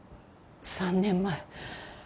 ３年前。